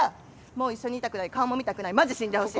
もう一緒にいたくない顔も見たくないマジ死んでほしい